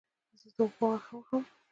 زه د اوبو غږ خوښوم.